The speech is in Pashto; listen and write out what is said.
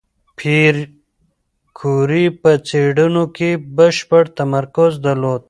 پېیر کوري په څېړنو کې بشپړ تمرکز درلود.